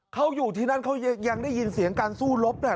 เขาอยู่ที่นั่นเขายังได้ยินเสียงการสู้รบเนี่ย